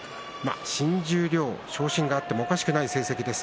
新十両、昇進があってもおかしくない成績です。